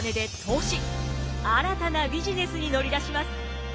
新たなビジネスに乗り出します。